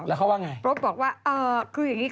แล้วเขาว่าไง